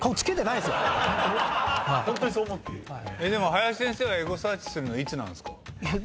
林先生がエゴサーチするのいつなんですか？